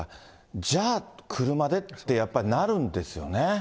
じゃあ、車でって、やっぱりなるんですよね。